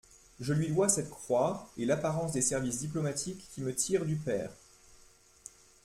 Je lui dois cette croix et l'apparence de services diplomatiques qui me tirent du pair.